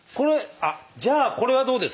あっじゃあこれはどうですか？